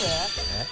えっ？